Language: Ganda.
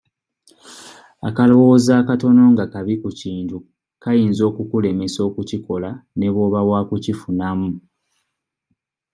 Akalowoozo akatono nga kabi ku kintu kayinza okukulemesa okukikola ne bw'oba wa kukifunamu.